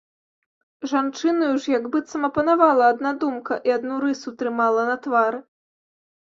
Жанчынаю ж як быццам апанавала адна думка і адну рысу трымала на твары.